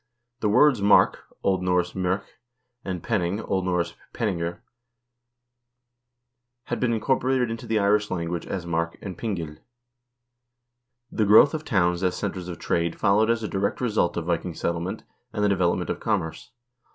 The words mark (O. N. mork) and penning (O. N. peningr) have been incorporated into the Irish language as marc and pingind.2 The growth of towns as centers of trade followed as a direct result of Viking settlement and the development of commerce.